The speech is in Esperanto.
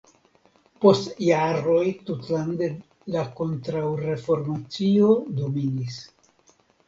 Post jaroj tutlande la kontraŭreformacio dominis.